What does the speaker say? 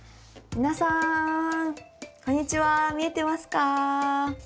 皆さんこんにちは見えてますか？